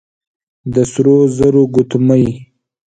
د سرو زرو ګوتمۍ،